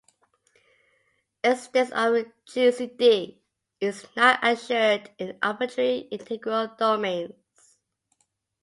Existence of a gcd is not assured in arbitrary integral domains.